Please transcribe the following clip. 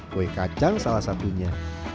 kue kacang salah satunya